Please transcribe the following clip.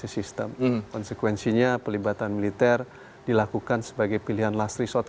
dan sistem penyakit konsekuensinya pelibatan militer dilakukan sebagai pilihan last resort